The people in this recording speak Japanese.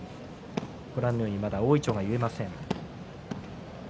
ご覧のようにまだ大いちょうは結えません。